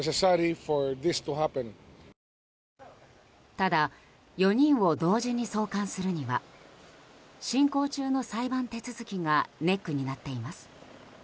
ただ、４人を同時に送還するには進行中の裁判手続きがネックになっています。